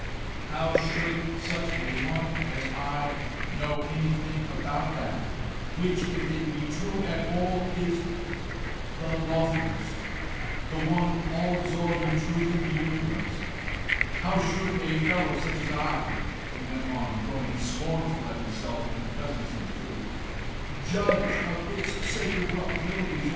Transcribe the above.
How should such a one as I know anything about that which, if it be true at all, is the loftiest, the one all absorbing truth in the universe? How should such a fellow as I" he went on, growing scornful at himself in the presence of the truth "judge of its sacred probabilities?